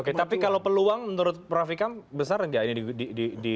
oke tapi kalau peluang menurut prof ikam besar nggak ini